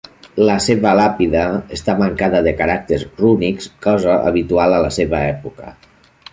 La seva làpida està mancada de caràcters rúnics, cosa habitual a la seva època.